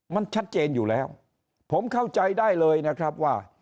มันชัดเจนอยู่แล้วผมเข้าใจได้เลยนะครับว่า